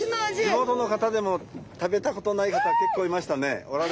地元の方でも食べたことない方結構いましたね。